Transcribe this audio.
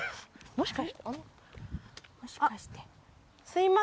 もしかして。